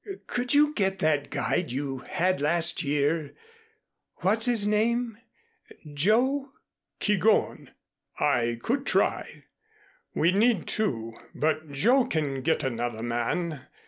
Could you get that guide you had last year, what's his name Joe ?" "Keegón. I could try. We'd need two, but Joe can get another man.